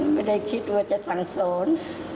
ไม่ได้คิดว่าจะสั่งสอน